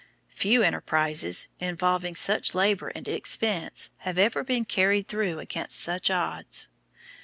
Few enterprises, involving such labour and expense, have ever been carried through against such odds.